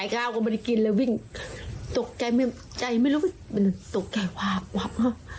กลับมานิกินวิ่งตกใจไหมไม่รู้แต่ตกใจความเหมาะ